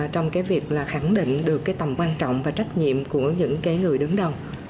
trong cái việc là khẳng định được cái tầm quan trọng và trách nhiệm của những cái người đứng đầu